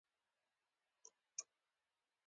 دهراوت هم بد نه دئ.